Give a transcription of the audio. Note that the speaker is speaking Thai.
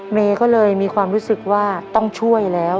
เมย์ก็เลยมีความรู้สึกว่าต้องช่วยแล้ว